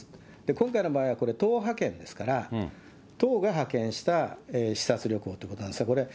今回の場合はこれ、党派遣ですから、党が派遣した視察旅行ということなんですが、これ、